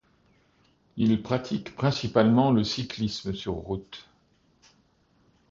Il pratique principalement le cyclisme sur route.